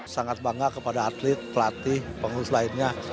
sangat bangga kepada atlet pelatih pengurus lainnya